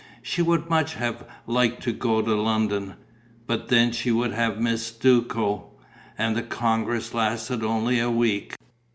She would much have liked to go to London. But then she would have missed Duco. And the congress lasted only a week.